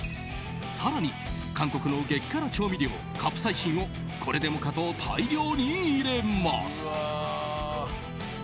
更に、韓国の激辛調味料カプサイシンをこれでもかと大量に入れます。